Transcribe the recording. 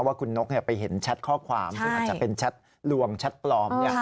ว่าคุณนกไปเห็นแชทข้อความซึ่งอาจจะเป็นแชทลวงแชทปลอม